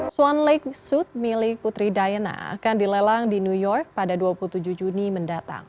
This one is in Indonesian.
swan lake suit milik putri diana akan dilelang di new york pada dua puluh tujuh juni mendatang